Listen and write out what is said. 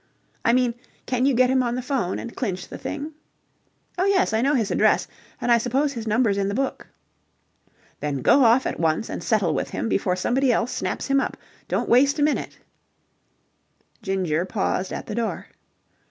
"I mean, can you get him on the 'phone and clinch the thing?" "Oh, yes. I know his address, and I suppose his number's in the book." "Then go off at once and settle with him before somebody else snaps him up. Don't waste a minute." Ginger paused at the door.